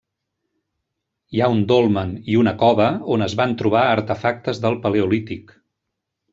Hi ha un dolmen i una cova on es van trobar artefactes del paleolític.